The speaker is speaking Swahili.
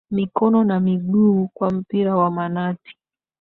mikono na miguu kwa mpira wa manati